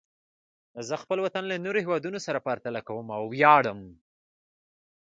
زه خپل وطن له نورو هېوادونو سره پرتله کوم او ویاړم.